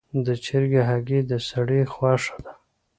د چرګې هګۍ د سړي خوښه ده.